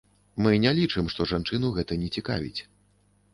Мы не лічым, што жанчыну гэта не цікавіць.